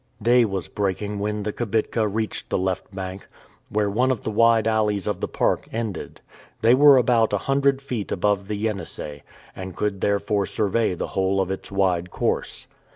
Day was breaking when the kibitka reached the left bank, where one of the wide alleys of the park ended. They were about a hundred feet above the Yenisei, and could therefore survey the whole of its wide course.